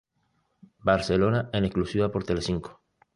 Barcelona en exclusiva por Telecinco.